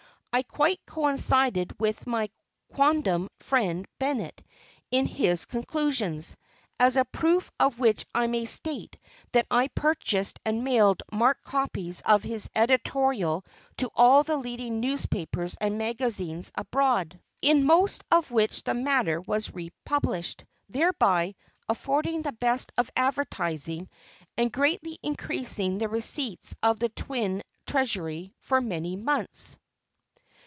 I quite coincided with my quondam friend Bennett in his conclusions, as a proof of which I may state that I purchased and mailed marked copies of his editorial to all the leading newspapers and magazines abroad, in most of which the matter was republished, thereby affording the best of advertising and greatly increasing the receipts of the Twin treasury for many months.